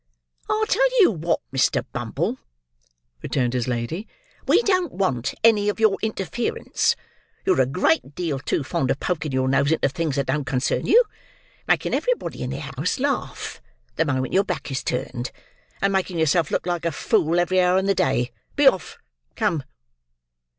"I'll tell you what, Mr. Bumble," returned his lady. "We don't want any of your interference. You're a great deal too fond of poking your nose into things that don't concern you, making everybody in the house laugh, the moment your back is turned, and making yourself look like a fool every hour in the day. Be off; come!"